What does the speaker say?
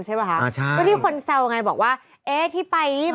ใช่ไหมอ่าใช่ก็ที่คนเซวไงบอกว่าเอ๊ะที่ไปรีบ